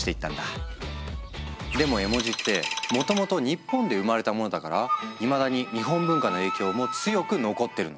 でも絵文字ってもともと日本で生まれたものだからいまだに日本文化の影響も強く残ってるの。